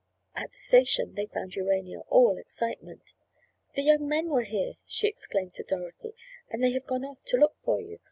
At the station they found Urania all excitement. "The young men were here!" she exclaimed to Dorothy, "and they have gone off to look for you.